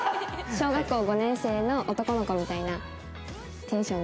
小学校５年生の男の子みたいなテンションなので常に。